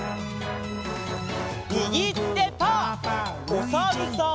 おさるさん。